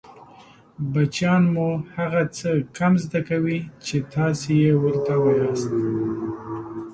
بچیان مو هغه څه کم زده کوي چې تاسې يې ورته وایاست